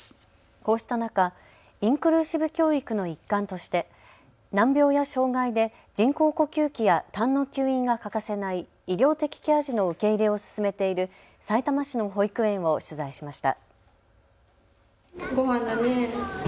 こうした中インクルーシブ教育の一環として難病や障害で人工呼吸器やたんの吸引が欠かせない医療的ケア児の受け入れを進めているさいたま市の保育園を取材しました。